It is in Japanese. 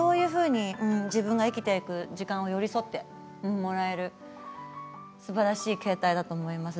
自分が生きていく時間に寄りそってもらえるすばらしい形態だと思います。